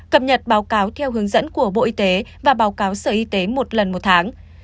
cập nhật báo cáo theo hướng dẫn của bộ y tế và báo cáo sở y tế một lần một tháng